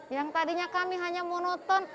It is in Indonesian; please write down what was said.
yang tadinya kami hanya monoton